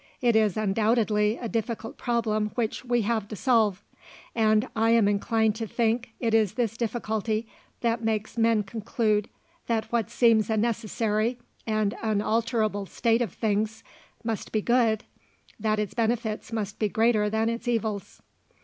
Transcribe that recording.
It is undoubtedly a difficult problem which we have to solve; and I am inclined to think it is this difficulty that makes men conclude that what seems a necessary and unalterable state of things must be good that its benefits must be greater than its evils.